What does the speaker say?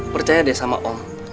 percaya deh sama om